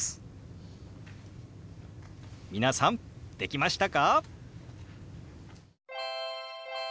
皆さんできましたか？